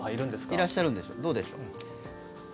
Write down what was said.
いらっしゃるんでしょうかどうでしょう。